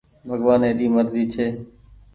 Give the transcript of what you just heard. ڀگوآني ري مرزي ڇي